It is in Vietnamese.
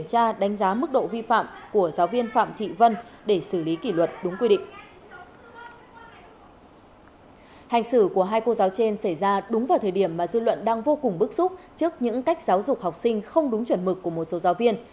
hành xử của hai cô giáo trên xảy ra đúng vào thời điểm mà dư luận đang vô cùng bức xúc trước những cách giáo dục học sinh không đúng chuẩn mực của một số giáo viên